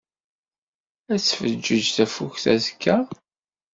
Ad tfeǧǧeǧ tafukt azekka?